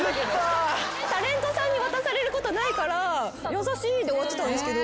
タレントさんに渡されることないから優しいで終わってたんですけど。